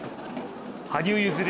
羽生結弦